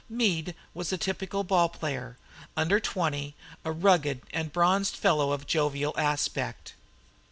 Meade was a typical ball player, under twenty, a rugged and bronzed fellow of jovial aspect.